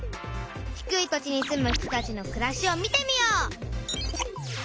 「低い土地に住む人たちのくらし」を見てみよう！